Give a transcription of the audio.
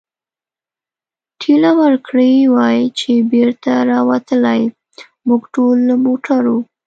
ټېله ورکړې وای، چې بېرته را وتلای، موږ ټول له موټرو.